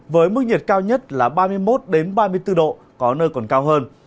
với mức nhiệt cao nhất là ba mươi một ba mươi bốn độ có nơi còn cao hơn